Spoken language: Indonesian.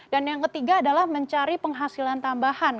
dan yang ketiga adalah mencari penghasilan tambahan